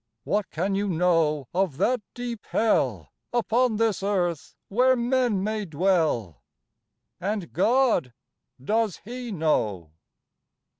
What can you know of that deep Hell Upon this earth where men may dwell, And God, does He know?